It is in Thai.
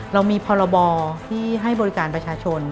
เรามีพรบที่ให้บริการประชาชน